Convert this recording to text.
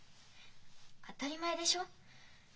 当たり前でしょ。